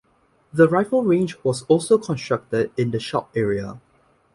The rifle range was also constructed in the shop area.